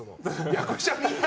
役者に。